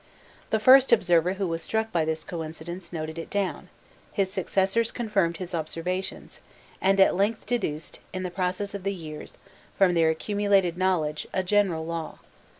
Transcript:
The first observer who was struck by this coincidence noted it down; his successors confirmed his observations, and at length deduced, in the process of the years, from their accumulated knowledge, a general law.